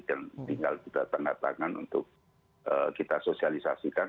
yang tinggal kita tanda tangan untuk kita sosialisasikan